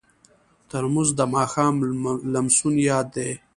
ترموز د ماښام لمسون یاد دی.